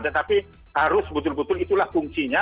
tetapi harus betul betul itulah fungsinya